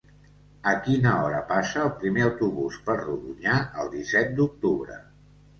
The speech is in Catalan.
A quina hora passa el primer autobús per Rodonyà el disset d'octubre?